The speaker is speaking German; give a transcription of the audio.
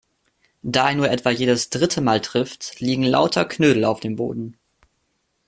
Da er nur etwa jedes dritte Mal trifft, liegen lauter Knödel auf dem Boden.